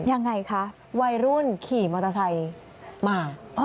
ยังไงคะวัยรุ่นขี่มอเตอร์ไซค์มา